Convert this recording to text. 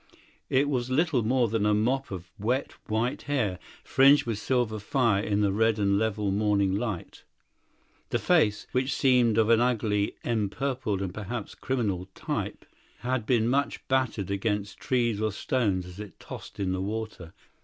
It was little more than a mop of wet white hair, fringed with silver fire in the red and level morning light; the face, which seemed of an ugly, empurpled and perhaps criminal type, had been much battered against trees or stones as it tossed in the water.